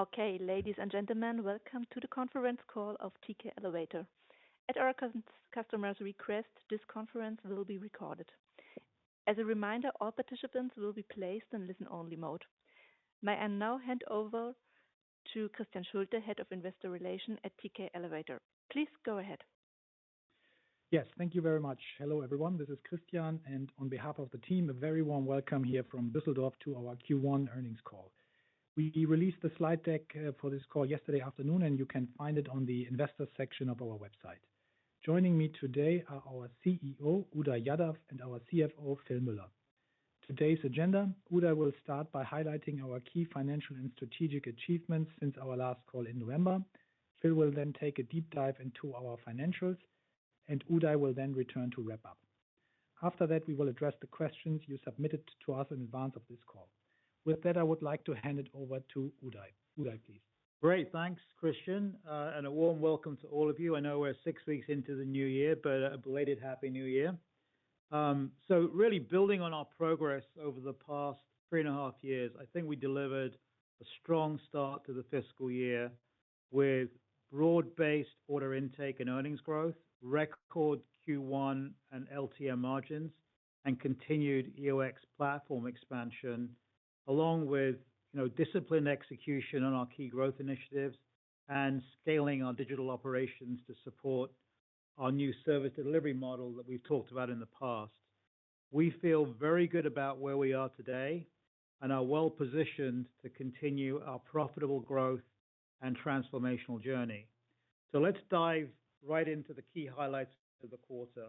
Okay, ladies and gentlemen, welcome to the conference call of TK Elevator. At our customers' request, this conference will be recorded. As a reminder, all participants will be placed in listen-only mode. May I now hand over to Christian Schulte, Head of Investor Relations at TK Elevator. Please go ahead. Yes, thank you very much. Hello, everyone, this is Christian, and on behalf of the team, a very warm welcome here from Düsseldorf to our Q1 earnings call. We released the slide deck for this call yesterday afternoon, and you can find it on the investor section of our website. Joining me today are our CEO, Uday Yadav, and our CFO, Phil Mueller. Today's agenda, Uday will start by highlighting our key financial and strategic achievements since our last call in November. Phil will then take a deep dive into our financials, and Uday will then return to wrap up. After that, we will address the questions you submitted to us in advance of this call. With that, I would like to hand it over to Uday. Uday, please. Great! Thanks, Christian. And a warm welcome to all of you. I know we're six weeks into the new year, but a belated Happy New Year. So really building on our progress over the past three and a half years, I think we delivered a strong start to the fiscal year with broad-based order intake and earnings growth, record Q1 and LTM margins, and continued EOX platform expansion, along with, you know, disciplined execution on our key growth initiatives and scaling our digital operations to support our new service delivery model that we've talked about in the past. We feel very good about where we are today and are well positioned to continue our profitable growth and transformational journey. So let's dive right into the key highlights of the quarter.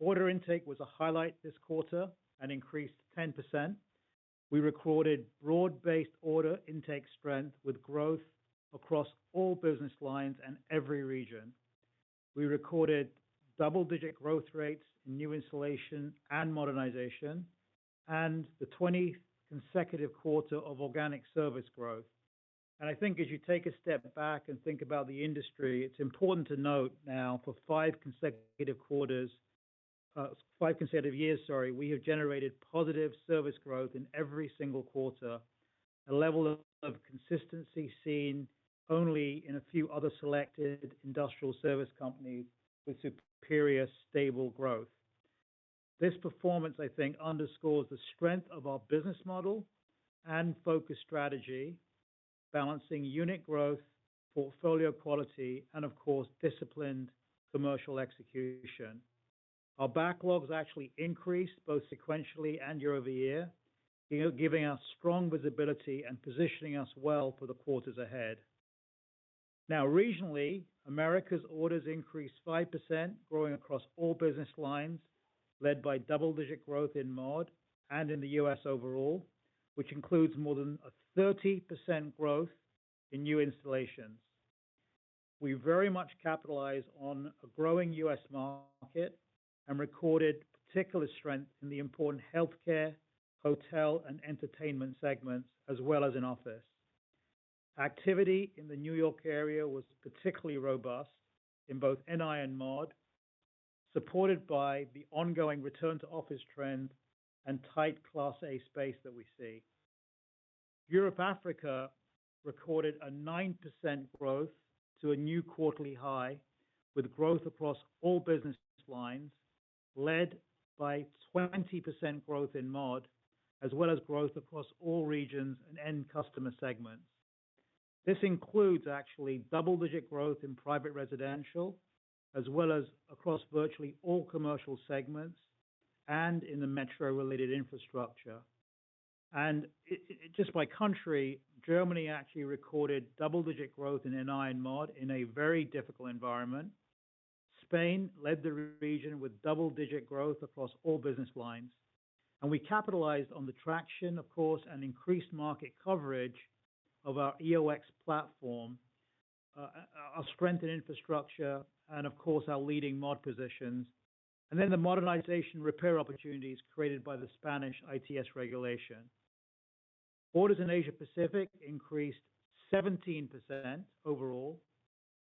Order intake was a highlight this quarter and increased 10%. We recorded broad-based order intake strength with growth across all business lines and every region. We recorded double-digit growth rates in new installation and modernization, and the 20th consecutive quarter of organic service growth. I think as you take a step back and think about the industry, it's important to note now for five consecutive quarters, five consecutive years, sorry, we have generated positive service growth in every single quarter, a level of consistency seen only in a few other selected industrial service companies with superior, stable growth. This performance, I think, underscores the strength of our business model and focus strategy, balancing unit growth, portfolio quality, and of course, disciplined commercial execution. Our backlogs actually increased both sequentially and year-over-year, giving us strong visibility and positioning us well for the quarters ahead. Now, regionally, Americas' orders increased 5%, growing across all business lines, led by double-digit growth in mod and in the U.S. overall, which includes more than a 30% growth in new installations. We very much capitalize on a growing U.S. market and recorded particular strength in the important healthcare, hotel, and entertainment segments, as well as in office. Activity in the New York area was particularly robust in both NI and mod, supported by the ongoing return-to-office trend and tight Class A space that we see. Europe, Africa recorded a 9% growth to a new quarterly high, with growth across all business lines, led by 20% growth in mod, as well as growth across all regions and end customer segments. This includes actually double-digit growth in private residential, as well as across virtually all commercial segments and in the metro-related infrastructure. And I just by country, Germany actually recorded double-digit growth in NI and mod in a very difficult environment. Spain led the region with double-digit growth across all business lines, and we capitalized on the traction, of course, and increased market coverage of our EOX platform, our strengthened infrastructure, and of course, our leading mod positions, and then the modernization repair opportunities created by the Spanish ITS regulation. Orders in Asia Pacific increased 17% overall.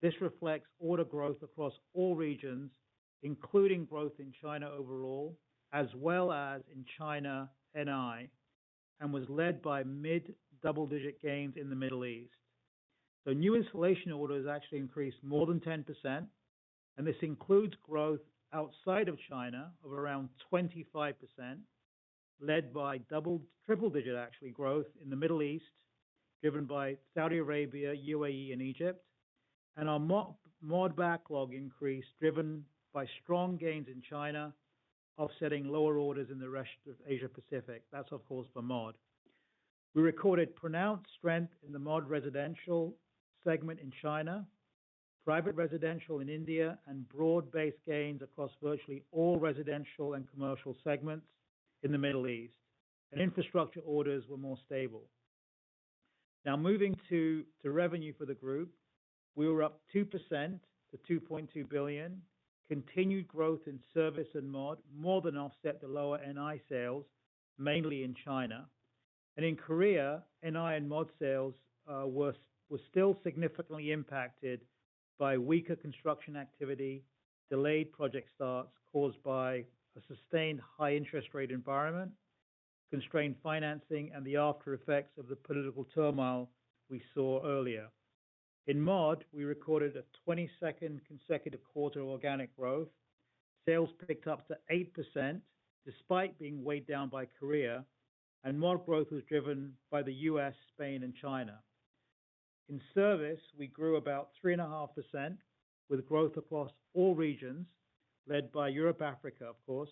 This reflects order growth across all regions, including growth in China overall, as well as in China, NI, and was led by mid-double-digit gains in the Middle East. So new installation orders actually increased more than 10%, and this includes growth outside of China of around 25%, led by double- triple-digit, actually, growth in the Middle East, driven by Saudi Arabia, UAE, and Egypt. Our mod backlog increased, driven by strong gains in China, offsetting lower orders in the rest of Asia Pacific. That's, of course, for mod. We recorded pronounced strength in the mod residential segment in China, private residential in India, and broad-based gains across virtually all residential and commercial segments in the Middle East. And infrastructure orders were more stable. Now moving to revenue for the group, we were up 2% to 2.2 billion. Continued growth in service and mod more than offset the lower NI sales, mainly in China. And in Korea, NI and mod sales were still significantly impacted by weaker construction activity, delayed project starts caused by a sustained high interest rate environment, constrained financing, and the after effects of the political turmoil we saw earlier. In mod, we recorded a 22nd consecutive quarter organic growth. Sales picked up to 8% despite being weighed down by Korea, and Mod growth was driven by the US, Spain, and China. In service, we grew about 3.5%, with growth across all regions, led by Europe, Africa of course,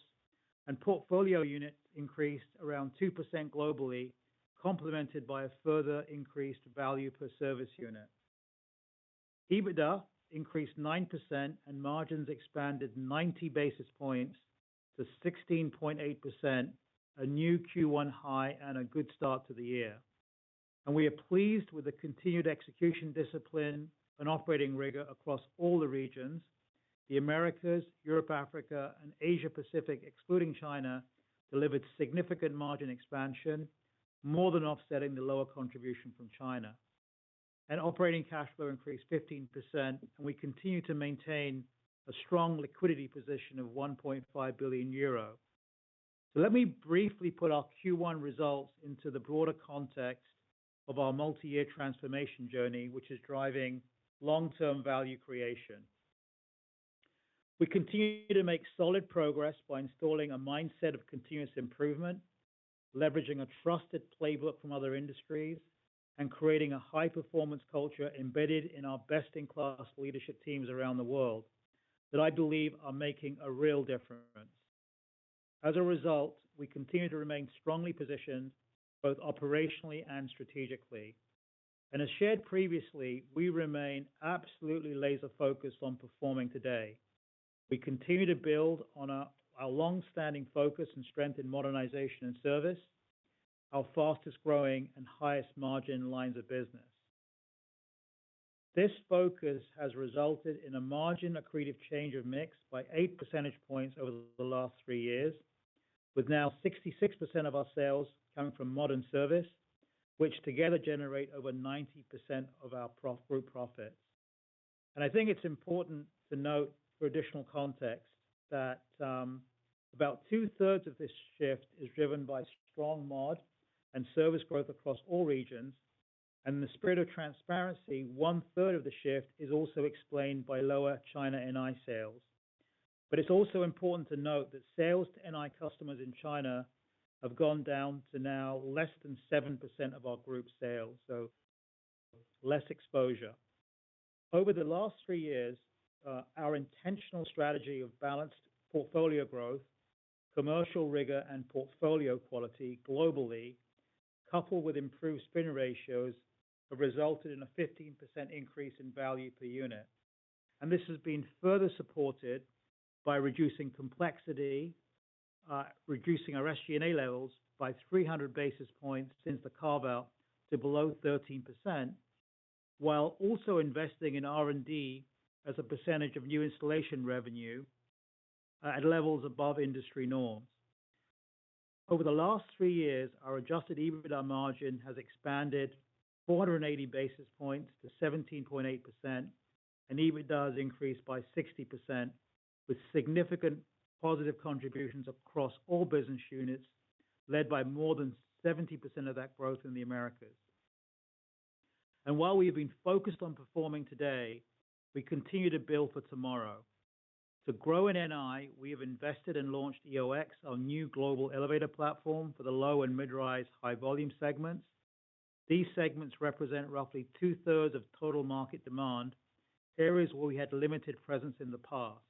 and portfolio units increased around 2% globally, complemented by a further increased value per service unit. EBITDA increased 9% and margins expanded 90 basis points to 16.8%, a new Q1 high and a good start to the year. We are pleased with the continued execution discipline and operating rigor across all the regions. The Americas, Europe, Africa, and Asia Pacific, excluding China, delivered significant margin expansion, more than offsetting the lower contribution from China. Operating cash flow increased 15%, and we continue to maintain a strong liquidity position of 1.5 billion euro. So let me briefly put our Q1 results into the broader context of our multi-year transformation journey, which is driving long-term value creation. We continue to make solid progress by installing a mindset of continuous improvement, leveraging a trusted playbook from other industries, and creating a high-performance culture embedded in our best-in-class leadership teams around the world that I believe are making a real difference. As a result, we continue to remain strongly positioned, both operationally and strategically. And as shared previously, we remain absolutely laser-focused on performing today. We continue to build on our longstanding focus and strength in modernization and service, our fastest-growing and highest margin lines of business. This focus has resulted in a margin accretive change of mix by 8 percentage points over the last three years, with now 66% of our sales coming from Mod and service, which together generate over 90% of our profits. I think it's important to note for additional context that about 2/3 of this shift is driven by strong Mod and service growth across all regions, and in the spirit of transparency, 1/3 of the shift is also explained by lower China NI sales. It's also important to note that sales to NI customers in China have gone down to now less than 7% of our group sales, so less exposure. Over the last three years, our intentional strategy of balanced portfolio growth, commercial rigor, and portfolio quality globally, coupled with improved spinner ratios, have resulted in a 15% increase in value per unit. This has been further supported by reducing complexity, reducing our SG&A levels by 300 basis points since the carve-out to below 13%, while also investing in R&D as a percentage of new installation revenue, at levels above industry norms. Over the last three years, our adjusted EBITDA margin has expanded 480 basis points to 17.8%, and EBITDA has increased by 60%, with significant positive contributions across all business units, led by more than 70% of that growth in the Americas. While we have been focused on performing today, we continue to build for tomorrow. To grow in NI, we have invested and launched EOX, our new global elevator platform for the low and mid-rise high volume segments. These segments represent roughly two-thirds of total market demand, areas where we had limited presence in the past.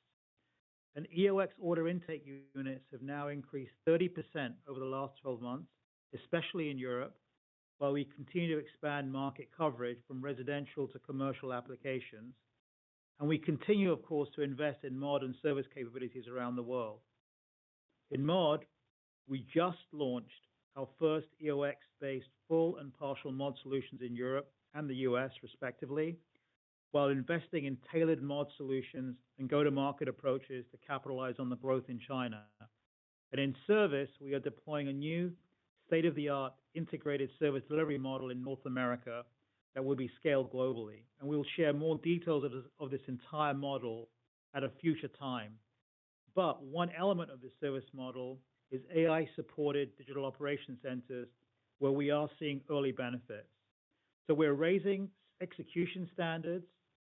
EOX order intake units have now increased 30% over the last 12 months, especially in Europe, while we continue to expand market coverage from residential to commercial applications. We continue, of course, to invest in Mod and service capabilities around the world. In Mod, we just launched our first EOX-based full and partial Mod solutions in Europe and the U.S. respectively, while investing in tailored Mod solutions and go-to-market approaches to capitalize on the growth in China. In service, we are deploying a new state-of-the-art integrated service delivery model in North America that will be scaled globally. And we will share more details of this, of this entire model at a future time. But one element of this service model is AI-supported Digital Operation Centers, where we are seeing early benefits. So we're raising execution standards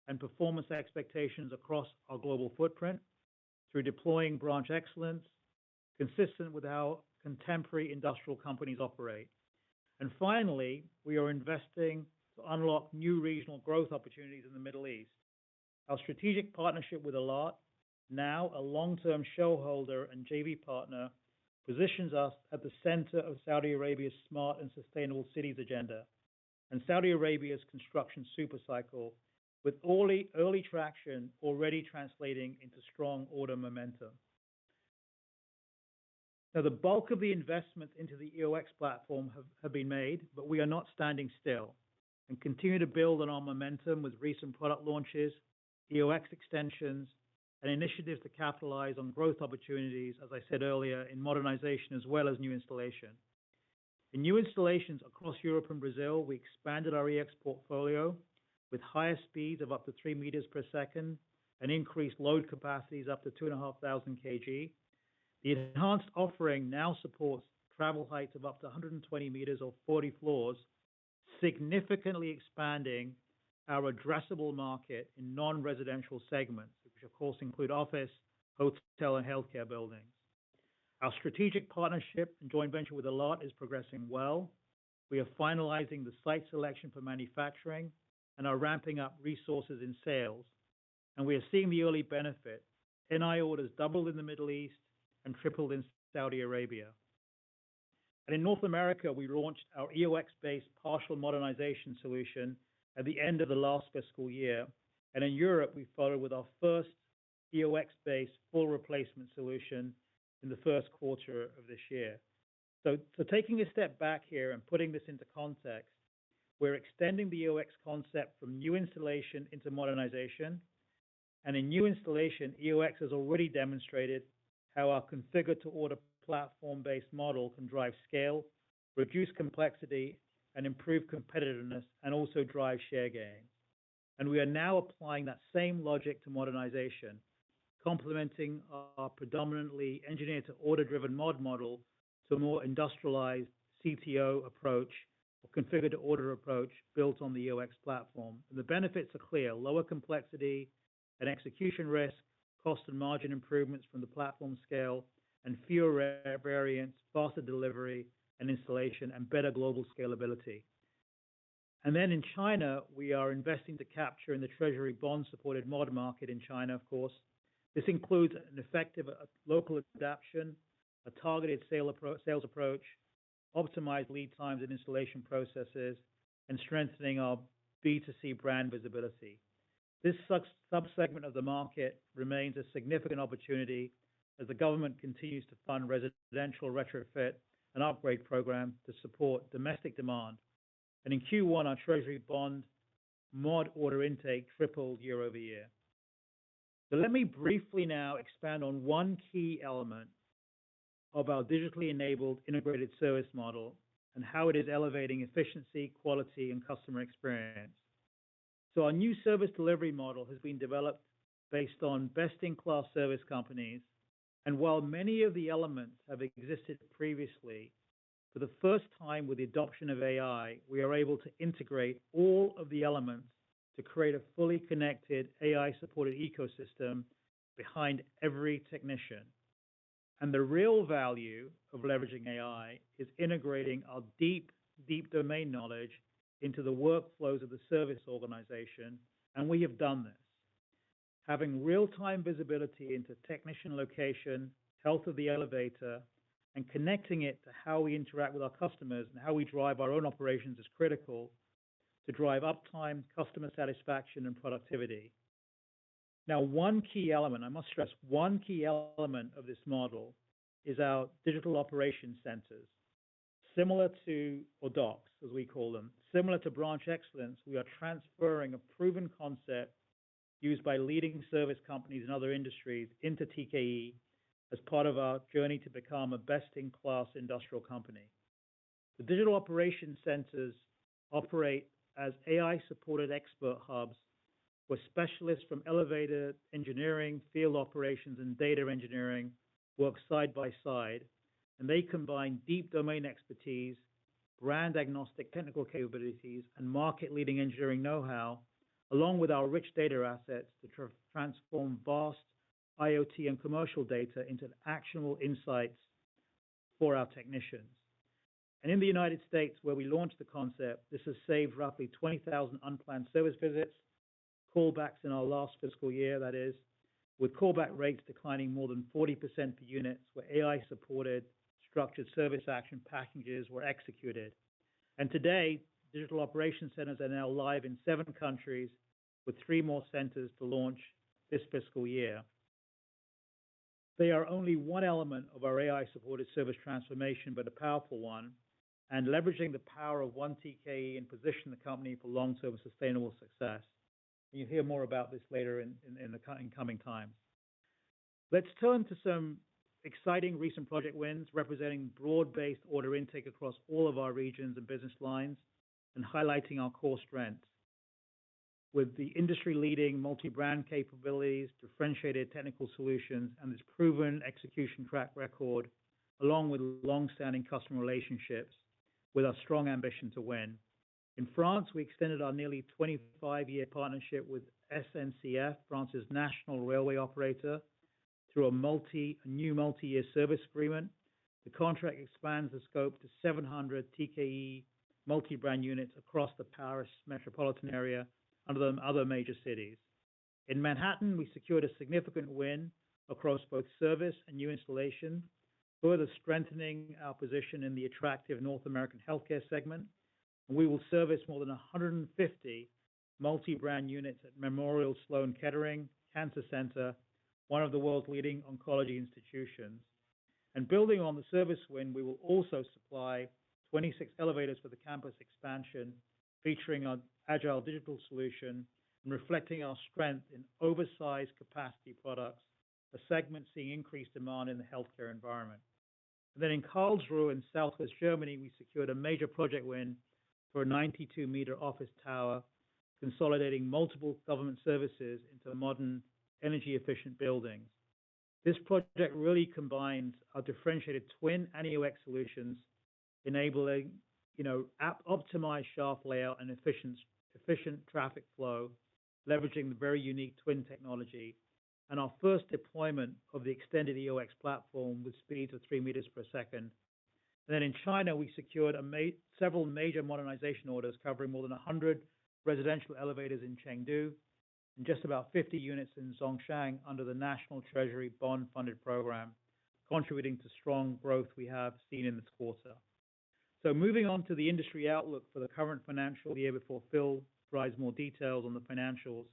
and performance expectations across our global footprint through deploying Branch Excellence, consistent with how contemporary industrial companies operate. And finally, we are investing to unlock new regional growth opportunities in the Middle East. Our strategic partnership with Alat, now a long-term shareholder and JV partner, positions us at the center of Saudi Arabia's smart and sustainable cities agenda and Saudi Arabia's construction super cycle, with early, early traction already translating into strong order momentum. Now, the bulk of the investment into the EOX platform have been made, but we are not standing still and continue to build on our momentum with recent product launches, EOX extensions, and initiatives to capitalize on growth opportunities, as I said earlier, in modernization as well as new installation. In new installations across Europe and Brazil, we expanded our EOX portfolio with higher speeds of up to three meters per second and increased load capacities up to 2,500 kg. The enhanced offering now supports travel heights of up to 120 meters or 40 floors, significantly expanding our addressable market in non-residential segments, which of course include office, hotel, and healthcare buildings. Our strategic partnership and joint venture with Alat is progressing well. We are finalizing the site selection for manufacturing and are ramping up resources in sales, and we are seeing the early benefit. NI orders doubled in the Middle East and tripled in Saudi Arabia. In North America, we launched our EOX-based partial modernization solution at the end of the last fiscal year, and in Europe, we followed with our first EOX-based full replacement solution in the first quarter of this year. So, taking a step back here and putting this into context, we're extending the EOX concept from new installation into modernization. In new installation, EOX has already demonstrated how our configure-to-order platform-based model can drive scale, reduce complexity, and improve competitiveness, and also drive share gain. We are now applying that same logic to modernization, complementing our predominantly engineer-to-order-driven mod model to a more industrialized CTO approach or configure-to-order approach built on the EOX platform. The benefits are clear: lower complexity and execution risk, cost and margin improvements from the platform scale and fewer [variants], faster delivery and installation, and better global scalability. Then in China, we are investing to capture in the treasury bond-supported mod market in China, of course. This includes an effective, local adaptation, a targeted sales approach, optimized lead times and installation processes, and strengthening our B2C brand visibility. This subsegment of the market remains a significant opportunity as the government continues to fund residential retrofit and upgrade program to support domestic demand. In Q1, our treasury bond mod order intake tripled year-over-year. Let me briefly now expand on one key element of our digitally enabled integrated service model and how it is elevating efficiency, quality, and customer experience. Our new service delivery model has been developed based on best-in-class service companies, and while many of the elements have existed previously, for the first time with the adoption of AI, we are able to integrate all of the elements to create a fully connected AI-supported ecosystem behind every technician. The real value of leveraging AI is integrating our deep, deep domain knowledge into the workflows of the service organization, and we have done this. Having real-time visibility into technician location, health of the elevator, and connecting it to how we interact with our customers and how we drive our own operations is critical to drive uptime, customer satisfaction, and productivity. Now, one key element, I must stress, one key element of this model is our Digital Operation Centers, or DOCs, as we call them. Similar to Branch Excellence, we are transferring a proven concept used by leading service companies in other industries into TKE as part of our journey to become a best-in-class industrial company. The Digital Operation Centers operate as AI-supported expert hubs, where specialists from elevator engineering, field operations, and data engineering work side by side, and they combine deep domain expertise, brand-agnostic technical capabilities, and market-leading engineering know-how, along with our rich data assets, to transform vast IoT and commercial data into actionable insights for our technicians. And in the United States, where we launched the concept, this has saved roughly 20,000 unplanned service visits, callbacks in our last fiscal year, that is, with callback rates declining more than 40% per units, where AI-supported structured service action packages were executed. Today, Digital Operation Centers are now live in seven countries, with three more centers to launch this fiscal year. They are only one element of our AI-supported service transformation, but a powerful one, and leveraging the power of one TKE and position the company for long-term sustainable success. You'll hear more about this later in the coming times. Let's turn to some exciting recent project wins, representing broad-based order intake across all of our regions and business lines and highlighting our core strengths. With the industry-leading multi-brand capabilities, differentiated technical solutions, and this proven execution track record, along with long-standing customer relationships with our strong ambition to win. In France, we extended our nearly 25-year partnership with SNCF, France's national railway operator, through a new multi-year service agreement. The contract expands the scope to 700 TKE multi-brand units across the Paris metropolitan area, and the other major cities. In Manhattan, we secured a significant win across both service and new installation, further strengthening our position in the attractive North American healthcare segment. We will service more than 150 multi-brand units at Memorial Sloan Kettering Cancer Center, one of the world's leading oncology institutions. Building on the service win, we will also supply 26 elevators for the campus expansion, featuring our agile digital solution and reflecting our strength in oversized capacity products… a segment seeing increased demand in the healthcare environment. In Karlsruhe, in southwest Germany, we secured a major project win for a 92-meter office tower, consolidating multiple government services into a modern, energy-efficient building. This project really combines our differentiated TWIN and EOX solutions, enabling, you know, optimized shaft layout and efficient traffic flow, leveraging the very unique TWIN technology and our first deployment of the extended EOX platform with speeds of three meters per second. Then in China, we secured several major modernization orders covering more than 100 residential elevators in Chengdu and just about 50 units in Zhongshan under the National Treasury Bond Funded Program, contributing to strong growth we have seen in this quarter. So moving on to the industry outlook for the current financial year before Phil provides more details on the financials.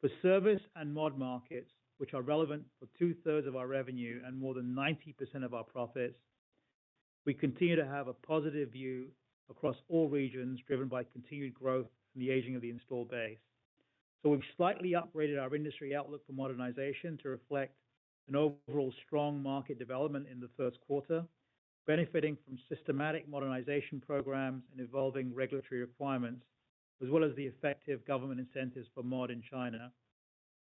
For service and mod markets, which are relevant for two-thirds of our revenue and more than 90% of our profits, we continue to have a positive view across all regions, driven by continued growth and the aging of the installed base. So we've slightly upgraded our industry outlook for modernization to reflect an overall strong market development in the first quarter, benefiting from systematic modernization programs and evolving regulatory requirements, as well as the effective government incentives for mod in China.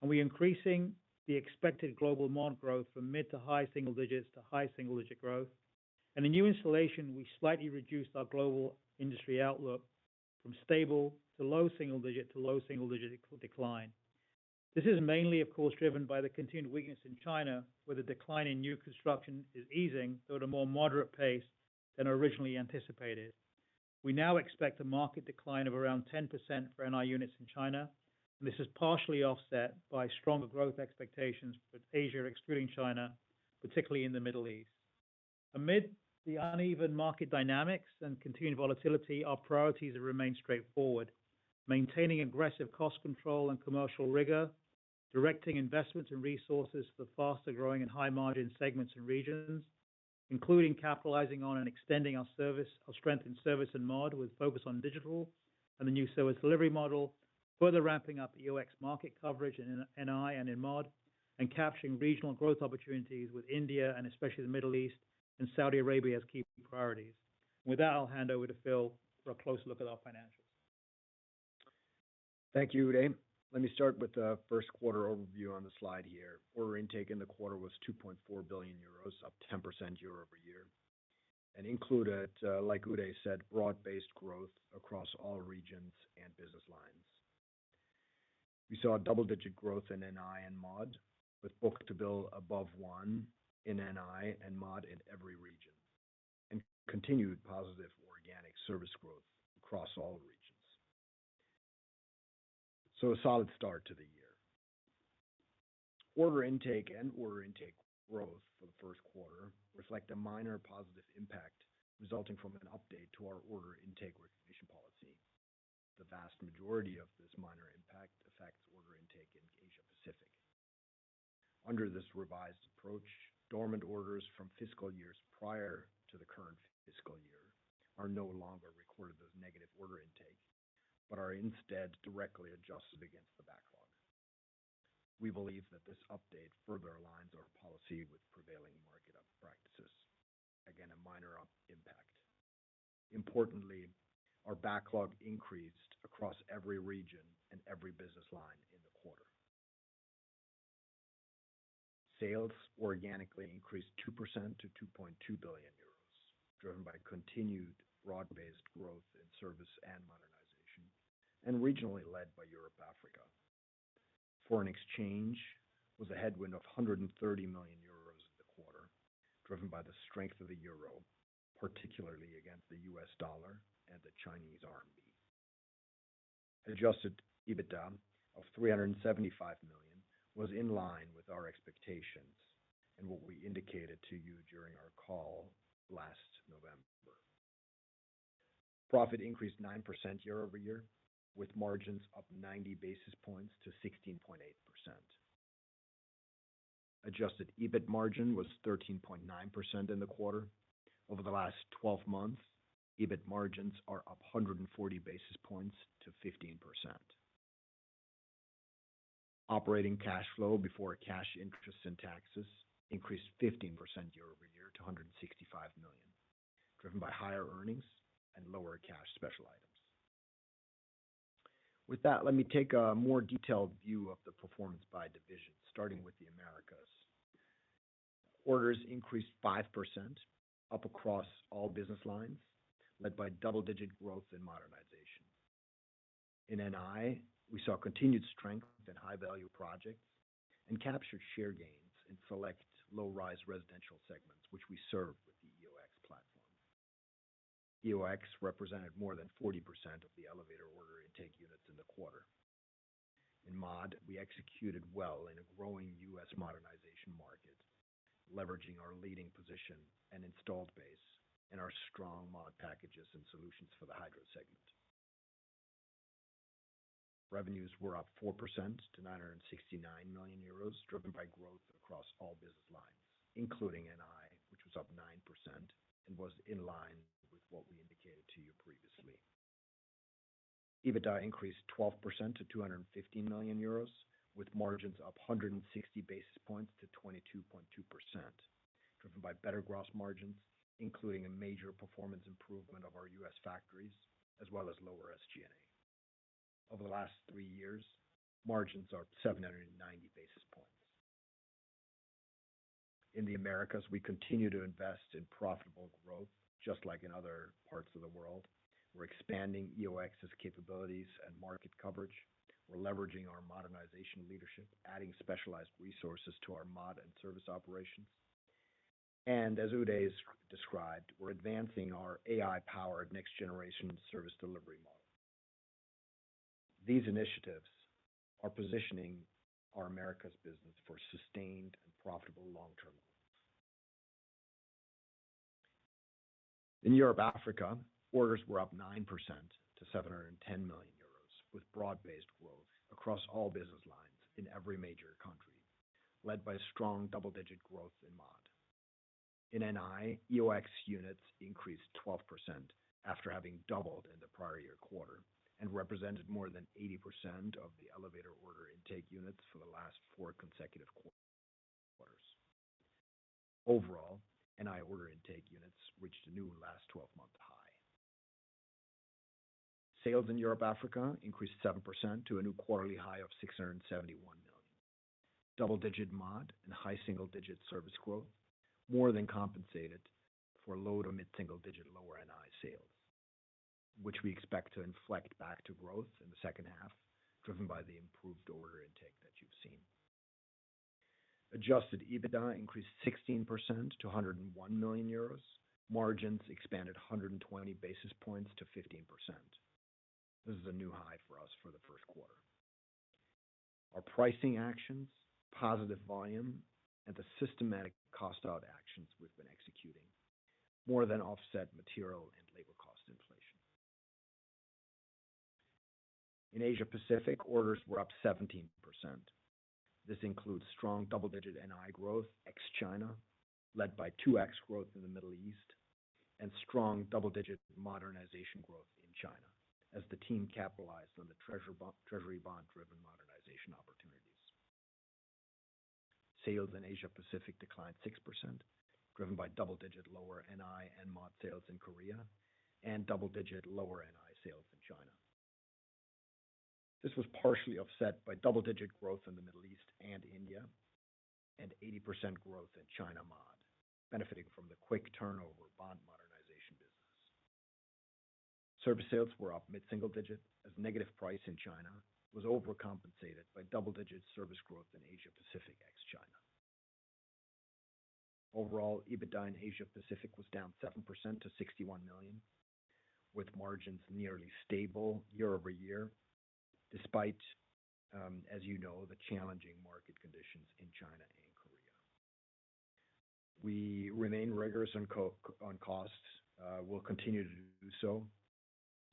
And we're increasing the expected global mod growth from mid- to high-single digits to high single-digit growth. And in new installation, we slightly reduced our global industry outlook from stable to low single digit to low single-digit decline. This is mainly, of course, driven by the continued weakness in China, where the decline in new construction is easing, though at a more moderate pace than originally anticipated. We now expect a market decline of around 10% for NI units in China, and this is partially offset by stronger growth expectations with Asia, excluding China, particularly in the Middle East. Amid the uneven market dynamics and continued volatility, our priorities remain straightforward: maintaining aggressive cost control and commercial rigor, directing investments and resources for faster-growing and high-margin segments and regions, including capitalizing on and extending our service, our strength in service and mod, with a focus on digital and the new service delivery model. Further ramping up EOX market coverage in NI and in mod, and capturing regional growth opportunities with India and especially the Middle East and Saudi Arabia as key priorities. With that, I'll hand over to Phil for a closer look at our financials. Thank you, Uday. Let me start with the first quarter overview on the slide here. Order intake in the quarter was 2.4 billion euros, up 10% year-over-year, and included, like Uday said, broad-based growth across all regions and business lines. We saw a double-digit growth in NI and mod, with book-to-bill above one in NI and mod in every region, and continued positive organic service growth across all regions. So a solid start to the year. Order intake and order intake growth for the first quarter reflect a minor positive impact resulting from an update to our order intake recognition policy. The vast majority of this minor impact affects order intake in Asia Pacific. Under this revised approach, dormant orders from fiscal years prior to the current fiscal year are no longer recorded as negative order intake, but are instead directly adjusted against the backlog. We believe that this update further aligns our policy with prevailing market practices. Again, a minor impact. Importantly, our backlog increased across every region and every business line in the quarter. Sales organically increased 2% to 2.2 billion euros, driven by continued broad-based growth in service and modernization, and regionally led by Europe, Africa. Foreign exchange was a headwind of 130 million euros in the quarter, driven by the strength of the euro, particularly against the US dollar and the Chinese RMB. Adjusted EBITDA of 375 million was in line with our expectations and what we indicated to you during our call last November. Profit increased 9% year-over-year, with margins up 90 basis points to 16.8%. Adjusted EBIT margin was 13.9% in the quarter. Over the last 12 months, EBIT margins are up 140 basis points to 15%. Operating cash flow before cash interest and taxes increased 15% year-over-year to 165 million, driven by higher earnings and lower cash special items. With that, let me take a more detailed view of the performance by division, starting with the Americas. Orders increased 5%, up across all business lines, led by double-digit growth in modernization. In NI, we saw continued strength in high-value projects and captured share gains in select low-rise residential segments, which we serve with the EOX platform. EOX represented more than 40% of the elevator order intake units in the quarter. In Mod, we executed well in a growing U.S. modernization market, leveraging our leading position and installed base, and our strong Mod packages and solutions for the hydro segment. Revenues were up 4% to 969 million euros, driven by growth across all business lines, including NI, which was up 9% and was in line with what we indicated to you previously. EBITDA increased 12% to 250 million euros, with margins up 160 basis points to 22.2%, driven by better gross margins, including a major performance improvement of our U.S. factories, as well as lower SG&A. Over the last three years, margins are 790 basis points. In the Americas, we continue to invest in profitable growth, just like in other parts of the world. We're expanding EOX's capabilities and market coverage. We're leveraging our modernization leadership, adding specialized resources to our mod and service operations. As Uday has described, we're advancing our AI-powered next generation service delivery model. These initiatives are positioning our Americas business for sustained and profitable long-term. In Europe, Africa, orders were up 9% to 710 million euros, with broad-based growth across all business lines in every major country, led by strong double-digit growth in mod. In NI, EOX units increased 12% after having doubled in the prior year quarter and represented more than 80% of the elevator order intake units for the last 4 consecutive quarters. Overall, NI order intake units reached a new last 12-month high. Sales in Europe, Africa increased 7% to a new quarterly high of 671 million. Double-digit mod and high single-digit service growth more than compensated for low- to mid-single-digit lower NI sales, which we expect to inflect back to growth in the second half, driven by the improved order intake that you've seen. Adjusted EBITDA increased 16% to 101 million euros. Margins expanded 120 basis points to 15%. This is a new high for us for the first quarter. Our pricing actions, positive volume, and the systematic cost-out actions we've been executing more than offset material and labor cost inflation. In Asia Pacific, orders were up 17%. This includes strong double-digit NI growth, ex-China, led by 2x growth in the Middle East, and strong double-digit modernization growth in China as the team capitalized on the treasury bond-driven modernization opportunities. Sales in Asia Pacific declined 6%, driven by double-digit lower NI and mod sales in Korea, and double-digit lower NI sales in China. This was partially offset by double-digit growth in the Middle East and India, and 80% growth in China mod, benefiting from the quick turnover bond modernization business. Service sales were up mid-single digit, as negative price in China was overcompensated by double-digit service growth in Asia Pacific, ex-China. Overall, EBITDA in Asia Pacific was down 7% to 61 million, with margins nearly stable year-over-year, despite, as you know, the challenging market conditions in China and Korea. We remain rigorous on costs, we'll continue to do so,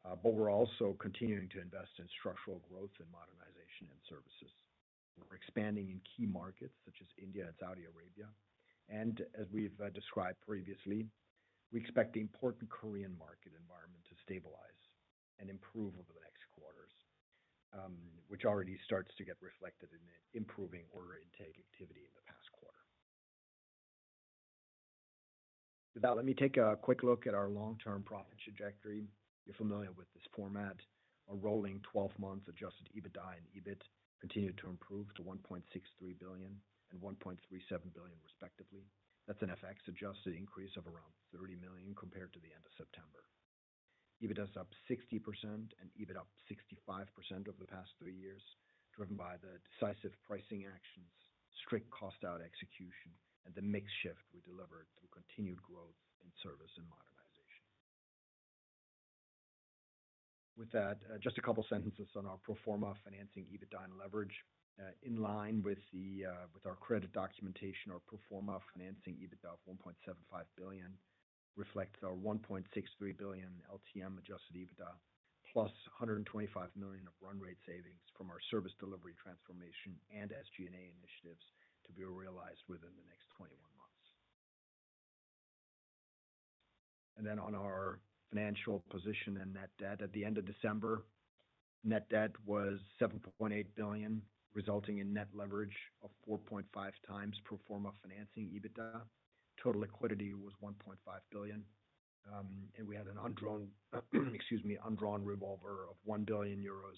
but we're also continuing to invest in structural growth and modernization in services. We're expanding in key markets such as India and Saudi Arabia, and as we've described previously, we expect the important Korean market environment to stabilize and improve over the next quarters, which already starts to get reflected in the improving order intake activity in the past quarter. With that, let me take a quick look at our long-term profit trajectory. You're familiar with this format. A rolling twelve months adjusted EBITDA and EBIT continued to improve to 1.63 billion and 1.37 billion, respectively. That's an FX-adjusted increase of around 30 million compared to the end of September. EBITDA is up 60% and EBIT up 65% over the past three years, driven by the decisive pricing actions, strict cost-out execution, and the mix shift we delivered through continued growth in service and modernization. With that, just a couple of sentences on our pro forma financing, EBITDA, and leverage. In line with our credit documentation or pro forma financing, EBITDA of 1.75 billion reflects our 1.63 billion LTM adjusted EBITDA, plus 125 million of run-rate savings from our service delivery transformation and SG&A initiatives to be realized within the next 21 months. And then on our financial position and net debt. At the end of December, net debt was 7.8 billion, resulting in net leverage of 4.5 times pro forma financing EBITDA. Total liquidity was 1.5 billion, and we had an undrawn, excuse me, undrawn revolver of 1 billion euros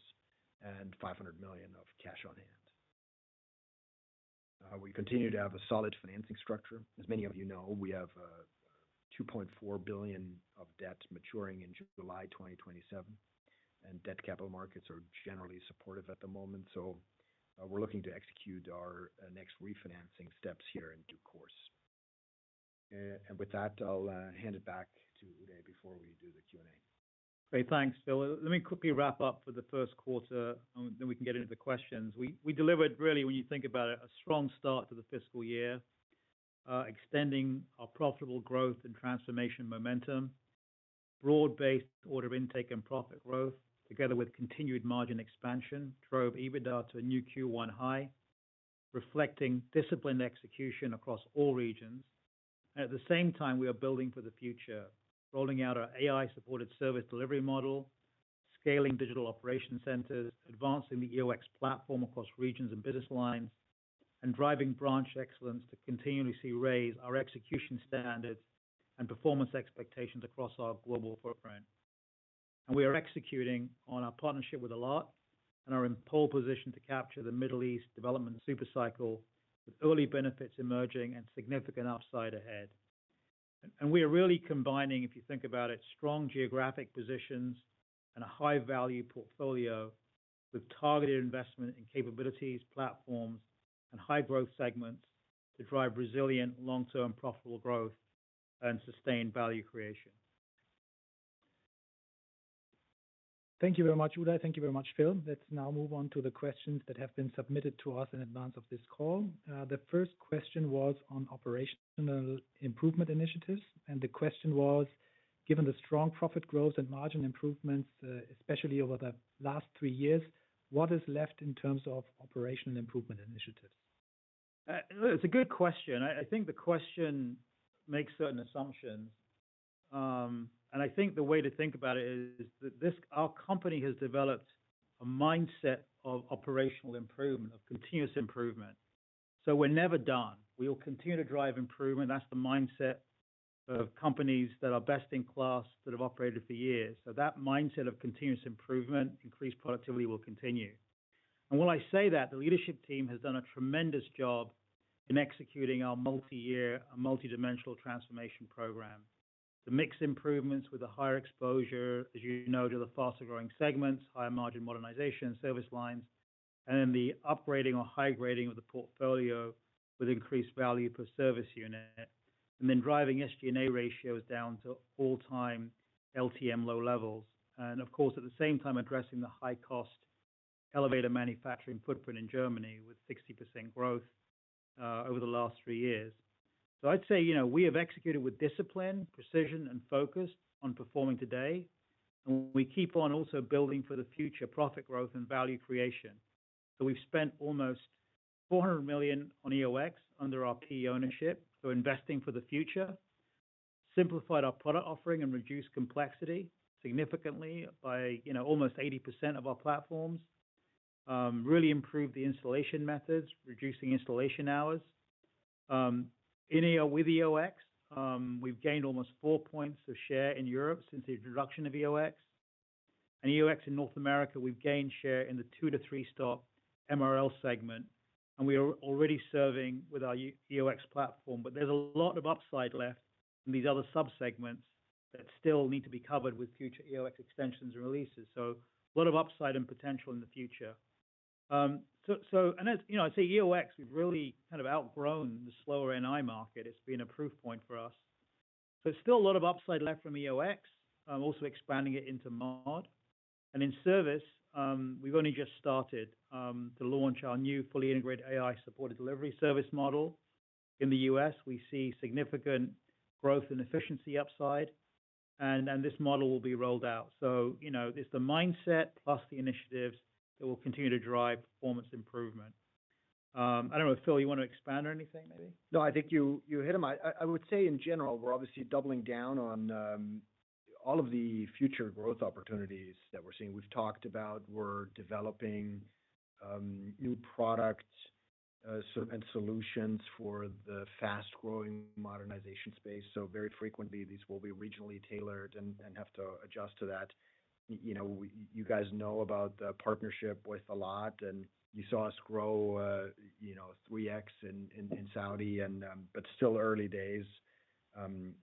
and 500 million of cash on hand. We continue to have a solid financing structure. As many of you know, we have $2.4 billion of debt maturing in July 2027, and debt capital markets are generally supportive at the moment, so we're looking to execute our next refinancing steps here in due course. And with that, I'll hand it back to Uday before we do the Q&A. Great. Thanks, Phil. Let me quickly wrap up for the first quarter, and then we can get into the questions. We delivered, really, when you think about it, a strong start to the fiscal year, extending our profitable growth and transformation momentum. Broad-based order intake and profit growth, together with continued margin expansion, drove EBITDA to a new Q1 high, reflecting disciplined execution across all regions. At the same time, we are building for the future, rolling out our AI-supported service delivery model, scaling Digital Operation Centers, advancing the EOX platform across regions and business lines, and driving Branch Excellence to continually raise our execution standards and performance expectations across our global footprint. We are executing on our partnership with Alat and are in pole position to capture the Middle East development super cycle, with early benefits emerging and significant upside ahead. We are really combining, if you think about it, strong geographic positions and a high-value portfolio with targeted investment in capabilities, platforms, and high-growth segments to drive resilient, long-term, profitable growth and sustained value creation. Thank you very much, Uday. Thank you very much, Phil. Let's now move on to the questions that have been submitted to us in advance of this call. The first question was on operational improvement initiatives, and the question was: Given the strong profit growth and margin improvements, especially over the last three years, what is left in terms of operational improvement initiatives? It's a good question. I, I think the question makes certain assumptions. And I think the way to think about it is that this, our company has developed a mindset of operational improvement, of continuous improvement, so we're never done. We will continue to drive improvement. That's the mindset of companies that are best in class, that have operated for years. So that mindset of continuous improvement, increased productivity will continue. And while I say that, the leadership team has done a tremendous job in executing our multi-year, multidimensional transformation program. The mix improvements with a higher exposure, as you know, to the faster-growing segments, higher margin modernization, service lines, and then the upgrading or high grading of the portfolio with increased value per service unit, and then driving SG&A ratios down to all-time LTM low levels. And of course, at the same time, addressing the high-cost elevator manufacturing footprint in Germany with 60% growth over the last three years. So I'd say, you know, we have executed with discipline, precision, and focus on performing today, and we keep on also building for the future profit growth and value creation. So we've spent almost 400 million on EOX under our PE ownership. So investing for the future, simplified our product offering and reduced complexity significantly by, you know, almost 80% of our platforms. Really improved the installation methods, reducing installation hours. With EOX, we've gained almost 4 points of share in Europe since the introduction of EOX. And EOX in North America, we've gained share in the 2- to 3-stop MRL segment, and we are already serving with our EOX platform. But there's a lot of upside left in these other subsegments that still need to be covered with future EOX extensions and releases. So a lot of upside and potential in the future. And as you know, I'd say EOX, we've really kind of outgrown the slower NI market. It's been a proof point for us. There's still a lot of upside left from EOX, also expanding it into Mod. And in service, we've only just started to launch our new fully integrated AI-supported delivery service model. In the US, we see significant growth and efficiency upside, and this model will be rolled out. So, you know, it's the mindset plus the initiatives that will continue to drive performance improvement. I don't know, Phil, you want to expand on anything, maybe? No, I think you hit them. I would say in general, we're obviously doubling down on all of the future growth opportunities that we're seeing. We've talked about we're developing new products and solutions for the fast-growing modernization space. So very frequently, these will be regionally tailored and have to adjust to that. You know, you guys know about the partnership with Alat, and you saw us grow, you know, 3x in Saudi, and, but still early days.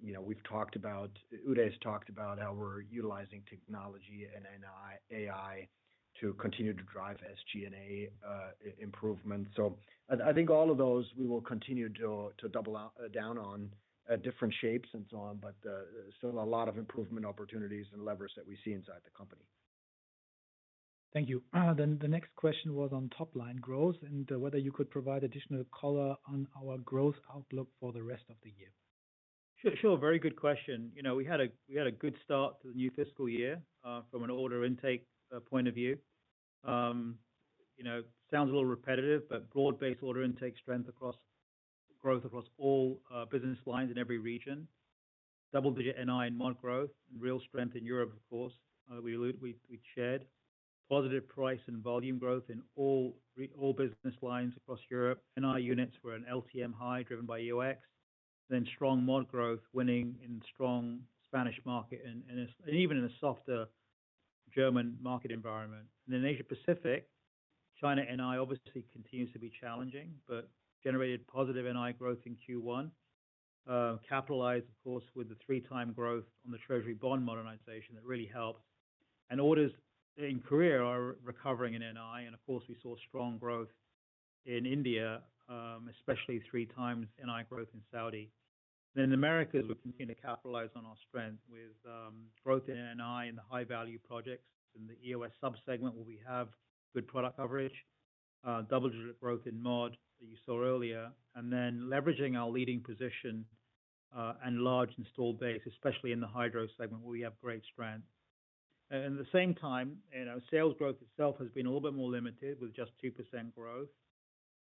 You know, we've talked about, Uday has talked about how we're utilizing technology and NI, AI to continue to drive SG&A improvement. So I think all of those we will continue to double down on different shapes and so on, but still a lot of improvement opportunities and levers that we see inside the company. Thank you. Then the next question was on top-line growth and whether you could provide additional color on our growth outlook for the rest of the year. Sure. Sure, very good question. You know, we had a good start to the new fiscal year, from an order intake point of view. You know, sounds a little repetitive, but broad-based order intake strength across growth across all business lines in every region, double-digit NI and Mod growth, and real strength in Europe, of course, we allude, we shared. Positive price and volume growth in all all business lines across Europe. NI units were an LTM high, driven by EOX, then strong Mod growth, winning in strong Spanish market and, and as, and even in a softer German market environment. And in Asia Pacific, China, NI obviously continues to be challenging, but generated positive NI growth in Q1. Capitalized, of course, with the three-time growth on the treasury bond modernization, that really helped. Orders in Korea are recovering in NI, and of course, we saw strong growth in India, especially three times NI growth in Saudi. Then in Americas, we continue to capitalize on our strength with growth in NI and the high-value projects in the EOX subsegment, where we have good product coverage, double-digit growth in Mod, that you saw earlier, and then leveraging our leading position and large installed base, especially in the hydro segment, where we have great strength. And at the same time, you know, sales growth itself has been a little bit more limited, with just 2% growth.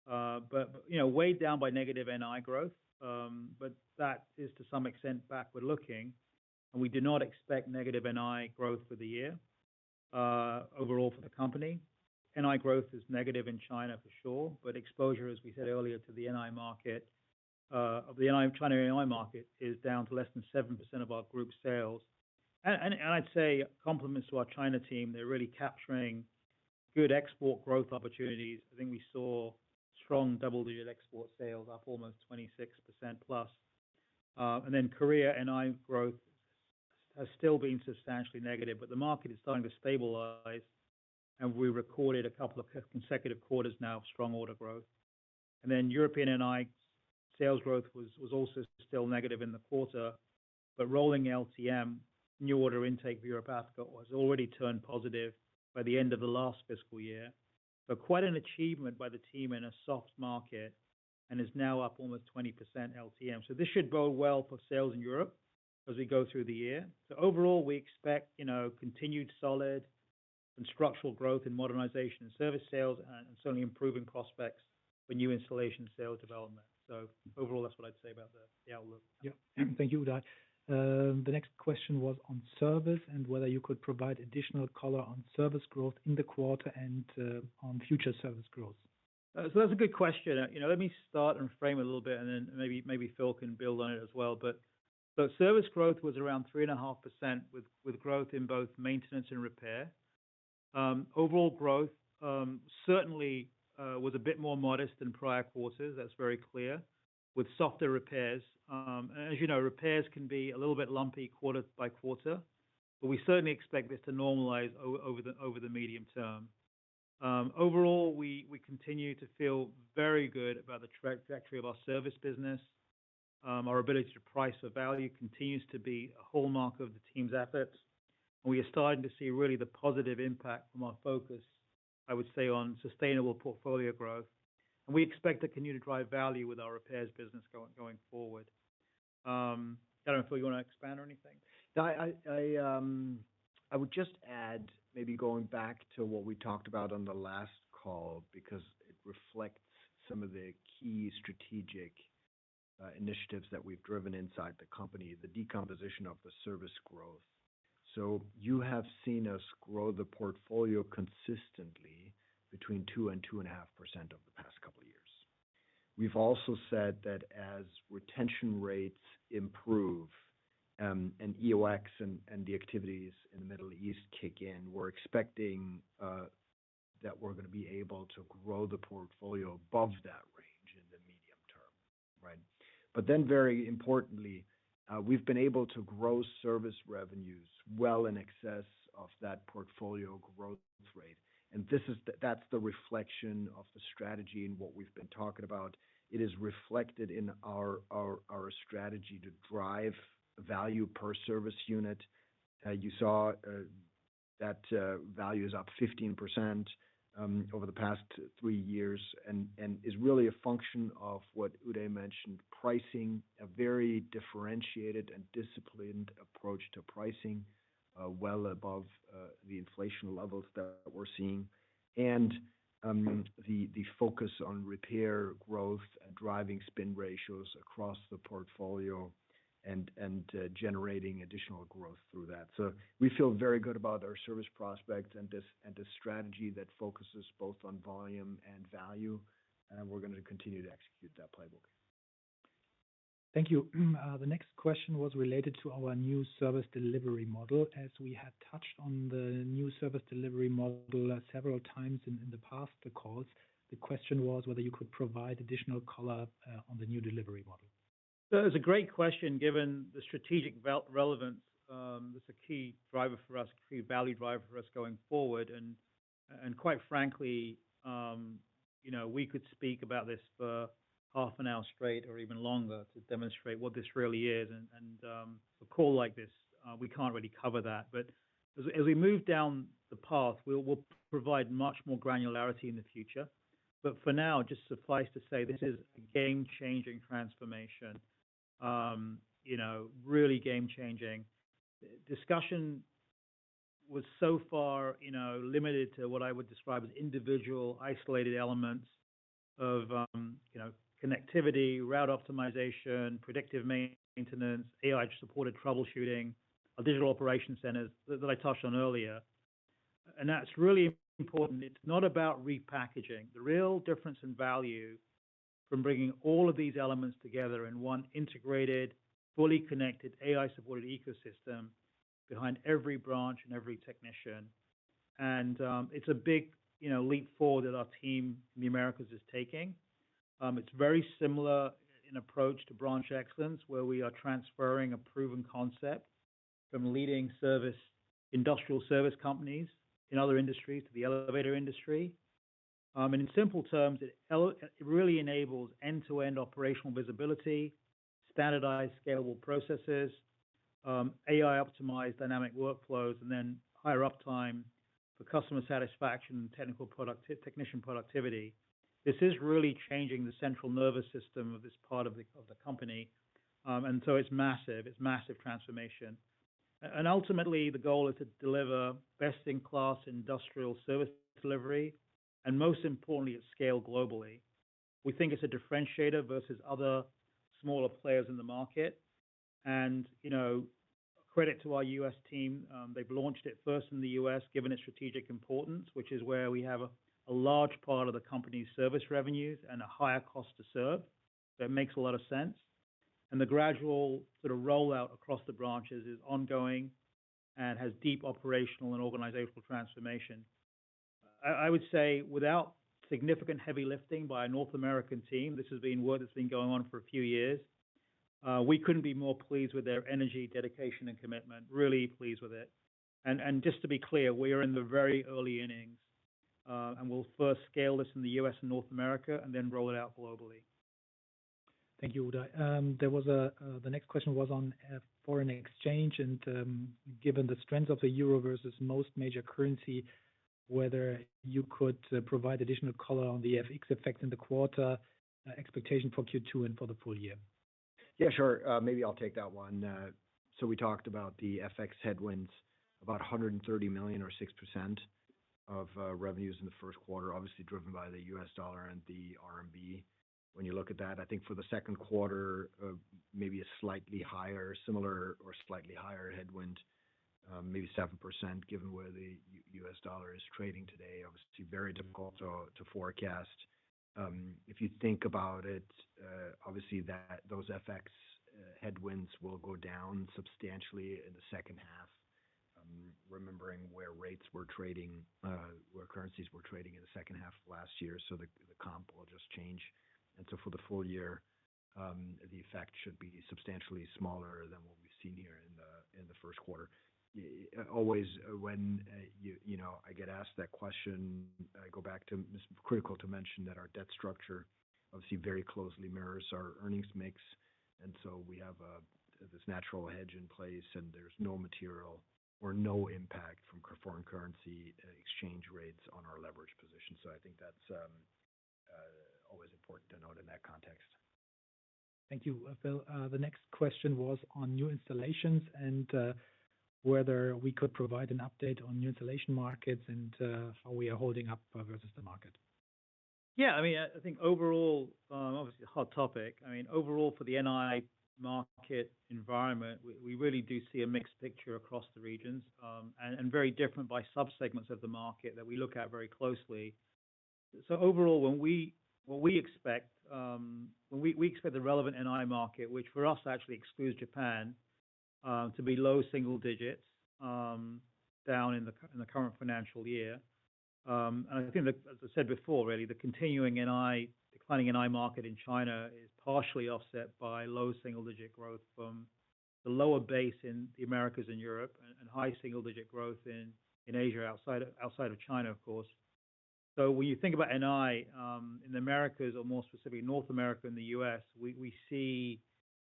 But, you know, weighed down by negative NI growth, but that is to some extent backward-looking, and we do not expect negative NI growth for the year, overall for the company. NI growth is negative in China for sure, but exposure, as we said earlier, to the NI market of the NI China market, is down to less than 7% of our group sales. And I'd say compliments to our China team, they're really capturing good export growth opportunities. I think we saw strong double-digit export sales, up almost 26%+. And then Korea NI growth has still been substantially negative, but the market is starting to stabilize, and we recorded a couple of consecutive quarters now of strong order growth. And then European NI sales growth was also still negative in the quarter, but rolling LTM, new order intake for Europe, Africa, was already turned positive by the end of the last fiscal year. So quite an achievement by the team in a soft market and is now up almost 20% LTM. This should bode well for sales in Europe as we go through the year. Overall, we expect, you know, continued solid and structural growth in modernization and service sales, and certainly improving prospects for new installation sales development. Overall, that's what I'd say about the outlook. Yeah. Thank you, Uday. The next question was on service and whether you could provide additional color on service growth in the quarter and on future service growth. So that's a good question. You know, let me start and frame it a little bit, and then maybe, maybe Phil can build on it as well. But, so service growth was around 3.5%, with growth in both maintenance and repair. Overall growth certainly was a bit more modest than prior quarters, that's very clear, with softer repairs. As you know, repairs can be a little bit lumpy quarter by quarter, but we certainly expect this to normalize over the medium term. Overall, we continue to feel very good about the trajectory of our service business. Our ability to price for value continues to be a hallmark of the team's efforts, and we are starting to see really the positive impact from our focus, I would say, on sustainable portfolio growth. We expect to continue to drive value with our repairs business going forward. I don't know, Phil, you want to expand or anything? No, I would just add, maybe going back to what we talked about on the last call, because it reflects some of the key strategic initiatives that we've driven inside the company, the decomposition of the service growth. So you have seen us grow the portfolio consistently between 2%-2.5% over the past couple of years. We've also said that as retention rates improve, and EOX and the activities in the Middle East kick in, we're expecting that we're going to be able to grow the portfolio above that range in the medium term, right? But then, very importantly, we've been able to grow service revenues well in excess of that portfolio growth rate. And this is. That's the reflection of the strategy and what we've been talking about. It is reflected in our strategy to drive value per service unit. You saw that value is up 15% over the past three years, and is really a function of what Uday mentioned, pricing, a very differentiated and disciplined approach to pricing, well above the inflation levels that we're seeing. The focus on repair growth and driving spin ratios across the portfolio and generating additional growth through that. So we feel very good about our service prospects and this strategy that focuses both on volume and value, and we're going to continue to execute that playbook. Thank you. The next question was related to our new service delivery model. As we had touched on the new service delivery model several times in the past calls, the question was whether you could provide additional color on the new delivery model. So it's a great question, given the strategic relevance, it's a key driver for us, key value driver for us going forward. And quite frankly, you know, we could speak about this for half an hour straight or even longer to demonstrate what this really is, and a call like this, we can't really cover that. But as we move down the path, we'll provide much more granularity in the future. But for now, just suffice to say, this is a game-changing transformation. You know, really game-changing. Discussion was so far, you know, limited to what I would describe as individual, isolated elements of, you know, connectivity, route optimization, predictive maintenance, AI-supported troubleshooting, Digital Operation Centers that I touched on earlier. And that's really important. It's not about repackaging. The real difference in value from bringing all of these elements together in one integrated, fully connected, AI-supported ecosystem behind every branch and every technician. And it's a big, you know, leap forward that our team in the Americas is taking. It's very similar in approach to Branch Excellence, where we are transferring a proven concept from leading service industrial service companies in other industries to the elevator industry. And in simple terms, it really enables end-to-end operational visibility, standardized scalable processes, AI-optimized dynamic workflows, and then higher uptime for customer satisfaction and technician productivity. This is really changing the central nervous system of this part of the company. And so it's massive. It's massive transformation. And ultimately, the goal is to deliver best-in-class industrial service delivery, and most importantly, at scale globally. We think it's a differentiator versus other smaller players in the market. And, you know, credit to our US team, they've launched it first in the US, given its strategic importance, which is where we have a large part of the company's service revenues and a higher cost to serve. So it makes a lot of sense. And the gradual sort of rollout across the branches is ongoing and has deep operational and organizational transformation. I would say without significant heavy lifting by our North American team, this has been work that's been going on for a few years, we couldn't be more pleased with their energy, dedication, and commitment. Really pleased with it. And just to be clear, we are in the very early innings, and we'll first scale this in the US and North America and then roll it out globally. Thank you, Uday. The next question was on foreign exchange, and, given the strength of the euro versus most major currency, whether you could provide additional color on the FX effect in the quarter, expectation for Q2 and for the full year. Yeah, sure. Maybe I'll take that one. So we talked about the FX headwinds, about 130 million or 6% of revenues in the first quarter, obviously driven by the U.S. dollar and the RMB. When you look at that, I think for the second quarter, maybe a slightly higher, similar or slightly higher headwind, maybe 7%, given where the U.S. dollar is trading today. Obviously, very difficult to forecast. If you think about it, obviously, those FX headwinds will go down substantially in the second half, remembering where rates were trading, where currencies were trading in the second half of last year, so the comp will just change. And so for the full year, the effect should be substantially smaller than what we've seen here in the first quarter. Always, when you know, I get asked that question, I go back to—it's critical to mention that our debt structure, obviously, very closely mirrors our earnings mix, and so we have this natural hedge in place, and there's no material impact from foreign currency exchange rates on our leverage position. So I think that's always important to note in that context. Thank you, Phil. The next question was on new installations and whether we could provide an update on new installation markets and how we are holding up versus the market. Yeah, I mean, I think overall, obviously, a hot topic. I mean, overall, for the NI market environment, we really do see a mixed picture across the regions, and very different by subsegments of the market that we look at very closely. So overall, what we expect, we expect the relevant NI market, which for us actually excludes Japan, to be low single digits, down in the current financial year. And I think, as I said before, really, the continuing NI, declining NI market in China is partially offset by low single-digit growth from the lower base in the Americas and Europe, and high single-digit growth in Asia, outside of China, of course. So when you think about NI in the Americas, or more specifically, North America and the US, we see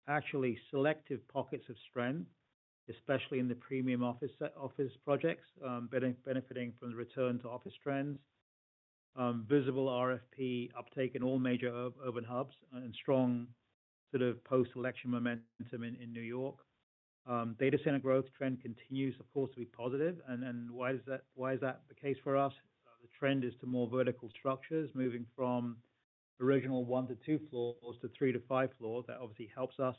actually selective pockets of strength, especially in the premium office projects, benefiting from the return to office trends, visible RFP uptake in all major urban hubs, and strong sort of post-election momentum in New York. Data center growth trend continues, of course, to be positive. And why is that, why is that the case for us? The trend is to more vertical structures, moving from original 1-2 floors to 3-5 floors. That obviously helps us.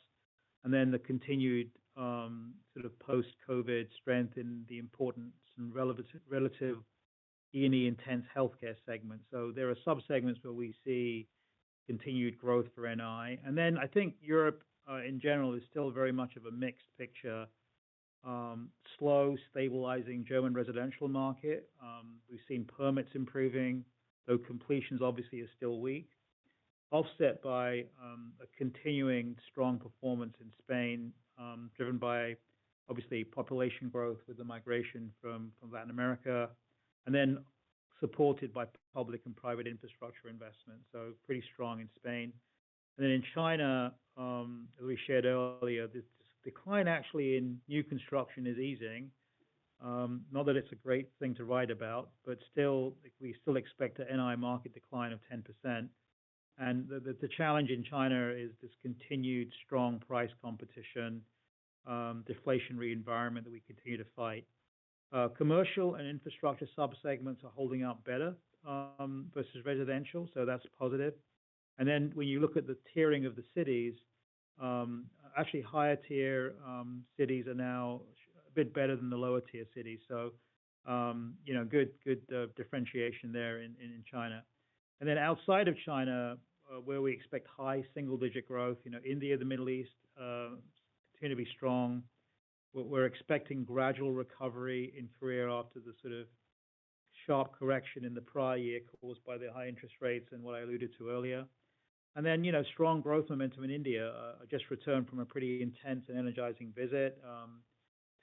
And then the continued sort of post-COVID strength in the importance and relevance relative E&E intense healthcare segment. So there are subsegments where we see continued growth for NI. And then I think Europe, in general, is still very much of a mixed picture. Slow, stabilizing German residential market. We've seen permits improving, though completions obviously are still weak, offset by a continuing strong performance in Spain, driven by obviously population growth with the migration from Latin America, and then supported by public and private infrastructure investment. So pretty strong in Spain. And then in China, we shared earlier, this decline actually in new construction is easing. Not that it's a great thing to write about, but still, we still expect the NI market decline of 10%. And the challenge in China is this continued strong price competition, deflationary environment that we continue to fight. Commercial and infrastructure subsegments are holding up better, versus residential, so that's positive. And then when you look at the tiering of the cities, actually higher-tier cities are now a bit better than the lower-tier cities. So, you know, good differentiation there in China. And then outside of China, where we expect high single-digit growth, you know, India, the Middle East, continue to be strong. We're expecting gradual recovery in Korea after the sort of sharp correction in the prior year caused by the high interest rates and what I alluded to earlier. And then, you know, strong growth momentum in India. I just returned from a pretty intense and energizing visit.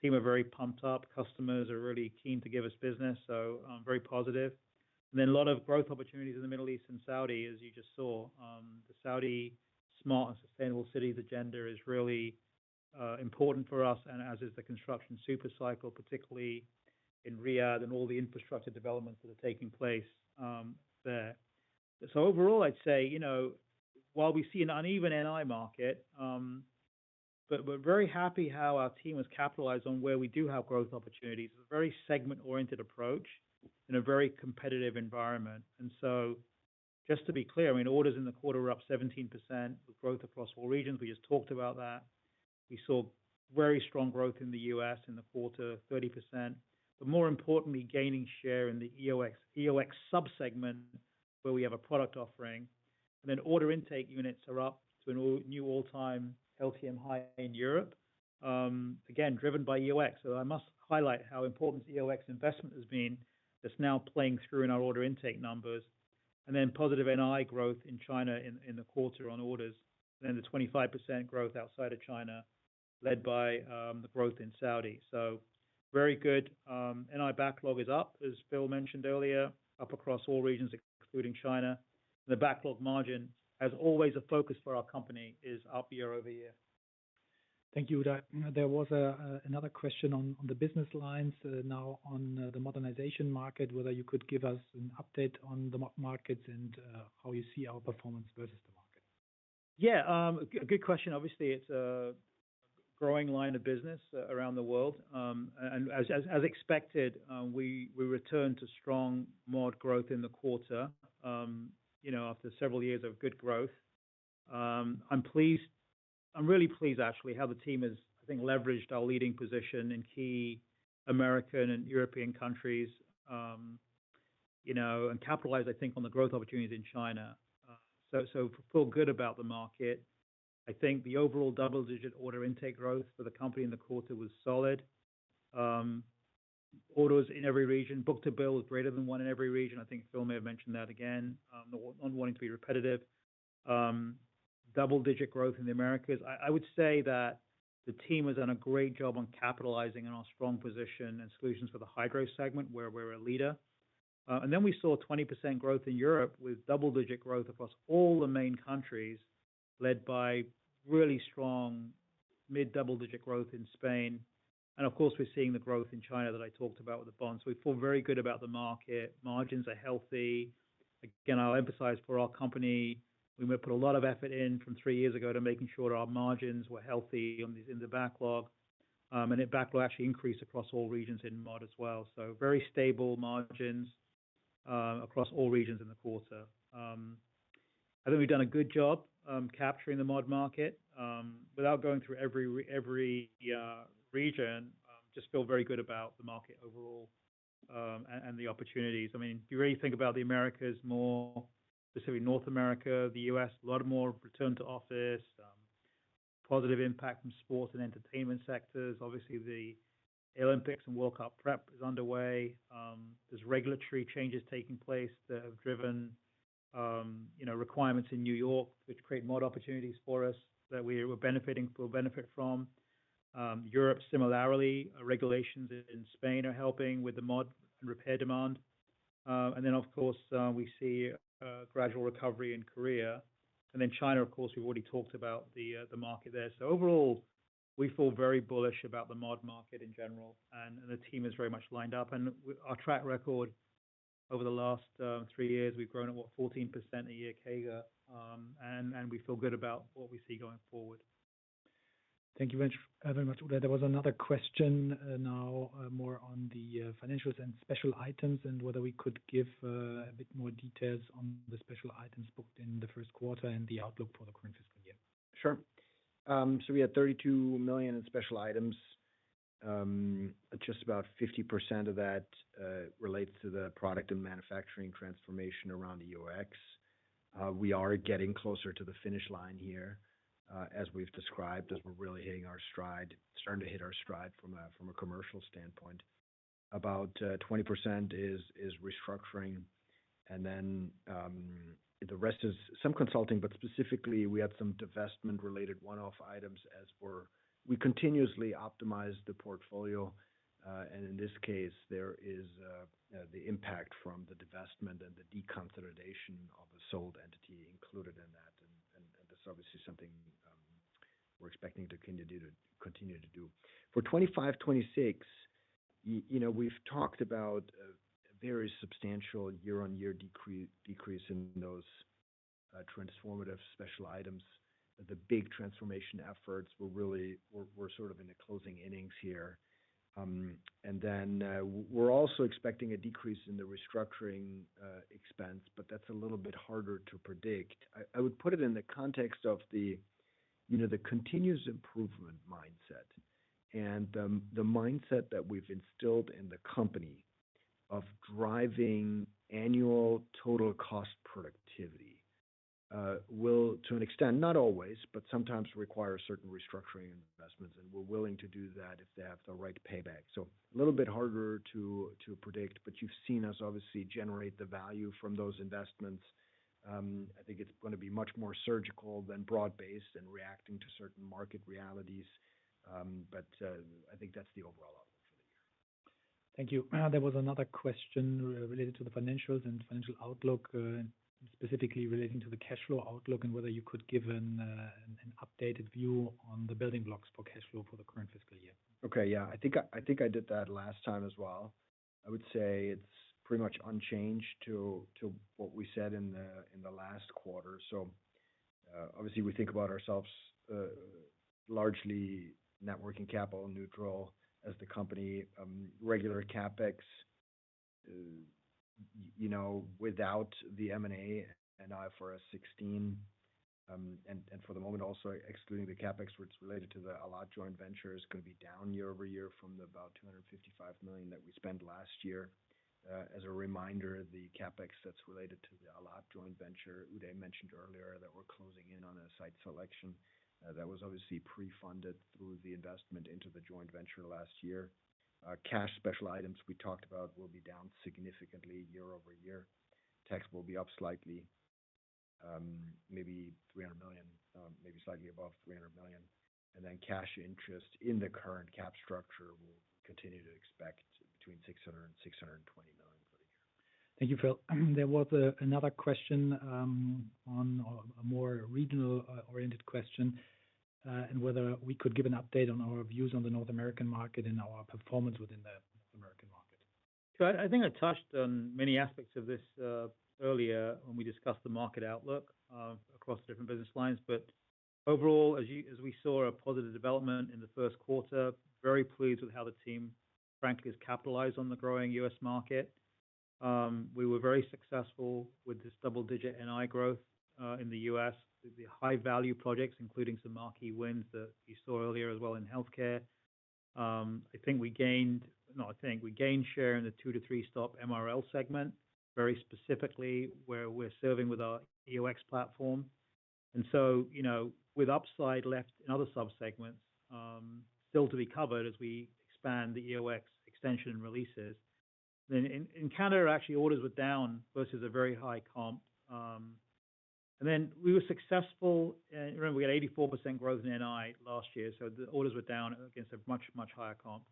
Team are very pumped up. Customers are really keen to give us business, so, very positive. And then a lot of growth opportunities in the Middle East and Saudi, as you just saw. The Saudi smart and sustainable cities agenda is really important for us, and as is the construction super cycle, particularly in Riyadh and all the infrastructure developments that are taking place there. So overall, I'd say, you know, while we see an uneven NI market, but we're very happy how our team has capitalized on where we do have growth opportunities. It's a very segment-oriented approach in a very competitive environment. And so, just to be clear, I mean, orders in the quarter were up 17%, with growth across all regions. We just talked about that. We saw very strong growth in the U.S. in the quarter, 30%, but more importantly, gaining share in the EOX, EOX subsegment, where we have a product offering. And then order intake units are up to a new all-time LTM high in Europe, again, driven by EOX. So I must highlight how important the EOX investment has been, that's now playing through in our order intake numbers, and then positive NI growth in China in the quarter on orders, and then the 25% growth outside of China, led by the growth in Saudi. So very good. NI backlog is up, as Phil mentioned earlier, up across all regions, including China. The backlog margin, as always, a focus for our company, is up year-over-year. Thank you, Uday. There was another question on the business lines, now on the modernization market, whether you could give us an update on the markets and how you see our performance versus the market. Yeah, a good question. Obviously, it's a growing line of business around the world. As expected, we returned to strong mod growth in the quarter, you know, after several years of good growth. I'm pleased. I'm really pleased, actually, how the team has, I think, leveraged our leading position in key American and European countries, you know, and capitalized, I think, on the growth opportunities in China. So feel good about the market. I think the overall double-digit order intake growth for the company in the quarter was solid. Orders in every region, book to bill is greater than one in every region. I think Phil may have mentioned that again, not wanting to be repetitive. Double-digit growth in the Americas. I would say that the team has done a great job on capitalizing on our strong position and solutions for the high-growth segment, where we're a leader. Then we saw 20% growth in Europe, with double-digit growth across all the main countries, led by really strong mid-double-digit growth in Spain. Of course, we're seeing the growth in China that I talked about with the bounce. We feel very good about the market. Margins are healthy. Again, I'll emphasize for our company, we may put a lot of effort in from three years ago to making sure our margins were healthy on these in the backlog. The backlog will actually increase across all regions in mod as well. So very stable margins across all regions in the quarter. I think we've done a good job capturing the mod market. Without going through every region, just feel very good about the market overall, and the opportunities. I mean, if you really think about the Americas more, specifically North America, the U.S., a lot more return to office, positive impact from sports and entertainment sectors. Obviously, the Olympics and World Cup prep is underway. There's regulatory changes taking place that have driven, you know, requirements in New York, which create more opportunities for us that we'll benefit from. Europe, similarly, regulations in Spain are helping with the mod and repair demand. And then, of course, we see a gradual recovery in Korea. And then China, of course, we've already talked about the market there. So overall, we feel very bullish about the mod market in general, and the team is very much lined up. And our track record over the last three years, we've grown at what? 14% a year, CAGR, and we feel good about what we see going forward. Thank you very much, Uday. There was another question, now, more on the, financials and special items, and whether we could give, a bit more details on the special items booked in the first quarter and the outlook for the current fiscal year. Sure. So we had 32 million in special items. Just about 50% of that relates to the product and manufacturing transformation around the EOX. We are getting closer to the finish line here, as we've described, as we're really starting to hit our stride from a commercial standpoint. About 20% is restructuring, and then the rest is some consulting, but specifically, we had some divestment-related one-off items as we're. We continuously optimize the portfolio, and in this case, there is the impact from the divestment and the deconsolidation of a sold entity included in that, and that's obviously something we're expecting to continue to do. For 2025, 2026, you know, we've talked about a very substantial year-on-year decrease in those transformative special items. The big transformation efforts were really. We're sort of in the closing innings here. And then, we're also expecting a decrease in the restructuring expense, but that's a little bit harder to predict. I would put it in the context of the, you know, the continuous improvement mindset and the mindset that we've instilled in the company of driving annual total cost productivity will, to an extent, not always, but sometimes require certain restructuring investments, and we're willing to do that if they have the right payback. So a little bit harder to predict, but you've seen us obviously generate the value from those investments. I think it's gonna be much more surgical than broad-based in reacting to certain market realities, but I think that's the overall outlook.... Thank you. There was another question related to the financials and financial outlook, specifically relating to the cash flow outlook, and whether you could give an updated view on the building blocks for cash flow for the current fiscal year. Okay. Yeah, I think I did that last time as well. I would say it's pretty much unchanged to what we said in the last quarter. So, obviously, we think about ourselves largely working capital neutral as the company, regular CapEx. You know, without the M&A and IFRS 16, and for the moment, also excluding the CapEx, which is related to the Alat joint venture, is going to be down year-over-year from about 255 million that we spent last year. As a reminder, the CapEx that's related to the Alat joint venture, Uday mentioned earlier that we're closing in on a site selection, that was obviously pre-funded through the investment into the joint venture last year. Cash special items we talked about will be down significantly year-over-year. Tax will be up slightly, maybe 300 million, maybe slightly above 300 million. And then cash interest in the current capital structure, we'll continue to expect between 600 million and 620 million for the year. Thank you, Phil. There was another question on a more regional oriented question, and whether we could give an update on our views on the North American market and our performance within the North American market. So I think I touched on many aspects of this earlier when we discussed the market outlook across the different business lines. But overall, as we saw a positive development in the first quarter, very pleased with how the team, frankly, has capitalized on the growing U.S. market. We were very successful with this double-digit NI growth in the U.S., with the high-value projects, including some marquee wins that you saw earlier as well in healthcare. I think we gained... No, I think we gained share in the two to three-stop MRL segment, very specifically where we're serving with our EOX platform. And so, you know, with upside left in other subsegments still to be covered as we expand the EOX extension releases. Then in Canada, actually, orders were down versus a very high comp, and then we were successful. Remember, we had 84% growth in NI last year, so the orders were down against a much, much higher comp.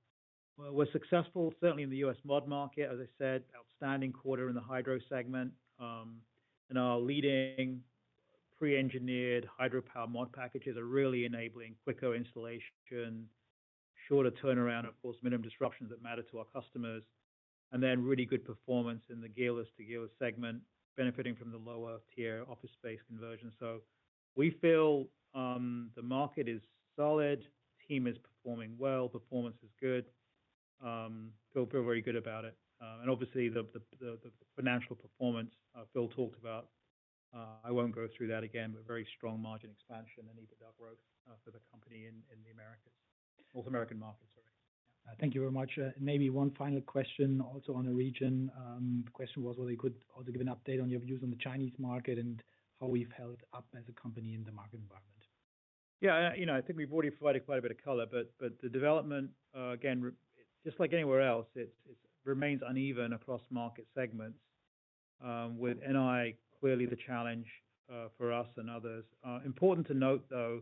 Well, we're successful, certainly in the U.S. mod market, as I said, outstanding quarter in the hydro segment. And our leading pre-engineered hydro power mod packages are really enabling quicker installation, shorter turnaround, of course, minimum disruptions that matter to our customers, and then really good performance in the glass-to-glass segment, benefiting from the lower tier office space conversion. So we feel the market is solid, team is performing well, performance is good. Feel very good about it. And obviously, the financial performance Phil talked about, I won't go through that again, but very strong margin expansion and EBITDA growth for the company in the Americas. North American market, sorry. Thank you very much. Maybe one final question, also on the region. The question was whether you could also give an update on your views on the Chinese market and how we've held up as a company in the market environment. Yeah, you know, I think we've already provided quite a bit of color, but the development, again, just like anywhere else, it remains uneven across market segments, with NI clearly the challenge, for us and others. Important to note, though,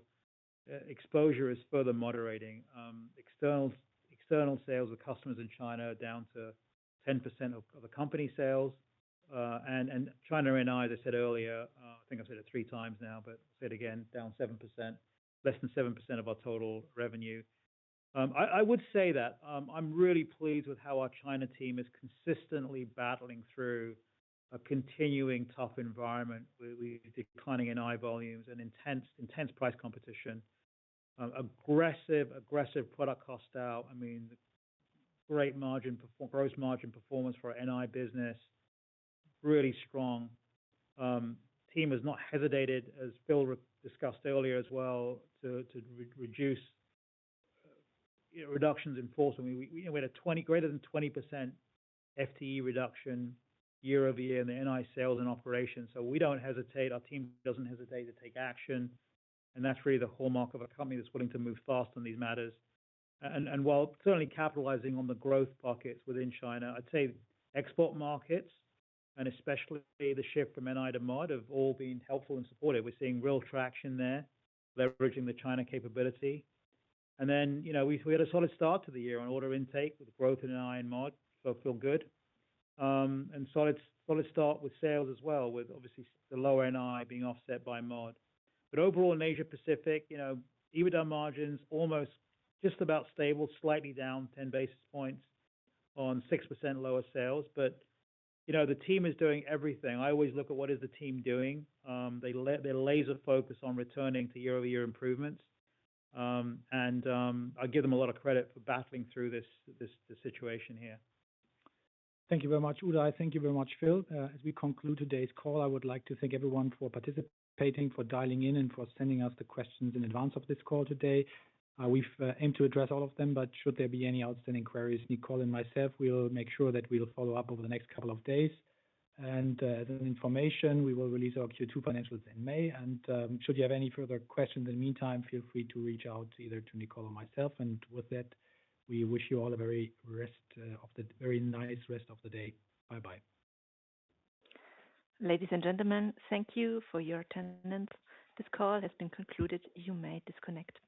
exposure is further moderating. External sales of customers in China are down to 10% of the company sales. And China NI, as I said earlier, I think I've said it three times now, but say it again, down 7%. Less than 7% of our total revenue. I would say that, I'm really pleased with how our China team is consistently battling through a continuing tough environment, with declining NI volumes and intense price competition, aggressive product cost out. I mean, great margin performance for our NI business, really strong. Team has not hesitated, as Phil discussed earlier as well, to reduce, you know, reductions in force. I mean, we had a greater than 20% FTE reduction year-over-year in the NI sales and operations. So we don't hesitate, our team doesn't hesitate to take action, and that's really the hallmark of a company that's willing to move fast on these matters. And while certainly capitalizing on the growth pockets within China, I'd say export markets, and especially the shift from NI to mod, have all been helpful and supportive. We're seeing real traction there, leveraging the China capability. And then, you know, we had a solid start to the year on order intake with growth in NI and mod, so I feel good. And solid, solid start with sales as well, with obviously the lower NI being offset by mod. But overall, in Asia Pacific, you know, EBITDA margins almost just about stable, slightly down 10 basis points on 6% lower sales. But, you know, the team is doing everything. I always look at what is the team doing. They're laser-focused on returning to year-over-year improvements. And I give them a lot of credit for battling through this, this, the situation here. Thank you very much, Uday. Thank you very much, Phil. As we conclude today's call, I would like to thank everyone for participating, for dialing in, and for sending us the questions in advance of this call today. We've aimed to address all of them, but should there be any outstanding queries, Nicole and myself, we'll make sure that we'll follow up over the next couple of days. And as information, we will release our Q2 financials in May, and should you have any further questions in the meantime, feel free to reach out either to Nicole or myself. And with that, we wish you all a very rest of the-- a very nice rest of the day. Bye-bye. Ladies and gentlemen, thank you for your attendance. This call has been concluded. You may disconnect.